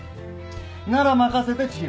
なら任せて知博。